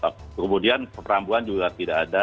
kemudian perambuan juga tidak ada